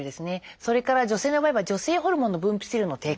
それから女性の場合は女性ホルモンの分泌量の低下。